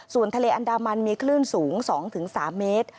ส่วนทะเลอันดามันมีคลื่นสูง๒๓เมตร